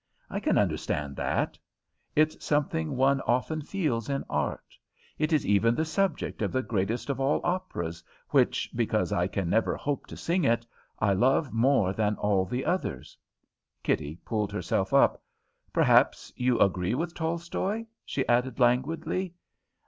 I can understand that. It's something one often feels in art. It is even the subject of the greatest of all operas, which, because I can never hope to sing it, I love more than all the others." Kitty pulled herself up. "Perhaps you agree with Tolstoy?" she added languidly.